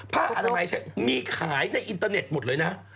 ผ้าอนามัยใช้มีขายในอินเตอร์เน็ตหมดเลยนะ